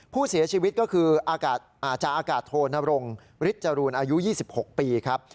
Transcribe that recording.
ผู้เสียชีวิตก็คือจาอากาศโทนรงฤทธรูนอายุ๒๖ปีครับ